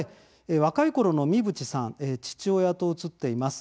若いころの三淵さん父親と写っています。